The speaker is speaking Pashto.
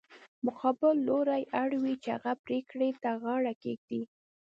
مقابل لوری اړ وي چې هغې پرېکړې ته غاړه کېږدي.